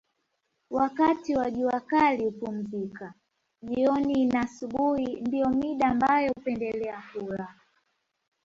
Wakati wa jua kali hupumzika jioni na asubuhi ndio mida ambayo hupendelea kula